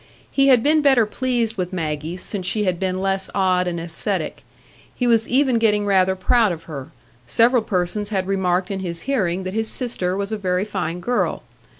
He had been better pleased with Maggie since she had been less odd and ascetic; he was even getting rather proud of her; several persons had remarked in his hearing that his sister was a very fine girl.